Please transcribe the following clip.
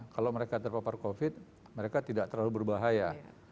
kalau mereka terpapar covid mereka tidak terlalu berbahaya